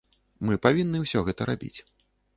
Мы павінны ўсё гэта рабіць.